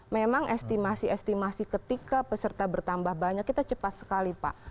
memang estimasi estimasi ketika peserta bertambah banyak kita cepat sekali pak